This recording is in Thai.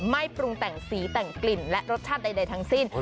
ปรุงแต่งสีแต่งกลิ่นและรสชาติใดทั้งสิ้น